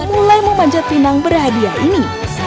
mulai memanjat pinang berhadiah ini